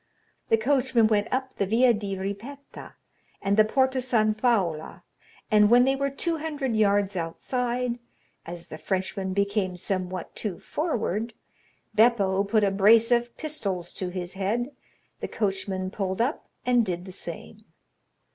The coachman went up the Via di Ripetta and the Porta San Paolo; and when they were two hundred yards outside, as the Frenchman became somewhat too forward, Beppo put a brace of pistols to his head, the coachman pulled up and did the same.